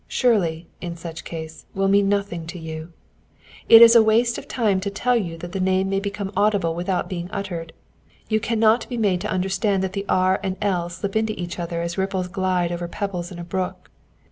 Shirley, in such case, will mean nothing to you. It is a waste of time to tell you that the name may become audible without being uttered; you can not be made to understand that the r and l slip into each other as ripples glide over pebbles in a brook.